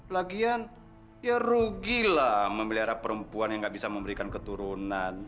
lagian ya rugilah memelihara perempuan yang nggak bisa memberikan keturunan